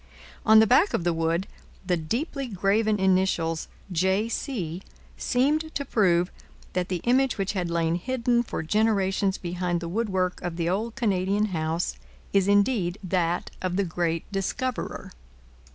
On the back of the wood, the deeply graven initials J. C. seemed to prove that the image which had lain hidden for generations behind the woodwork of the old Canadian house is indeed that of the great discoverer.